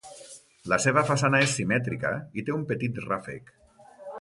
La seva façana és simètrica i té un petit ràfec.